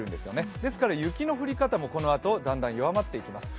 ですから雪の降り方もこのあとだんだん弱まっていきます。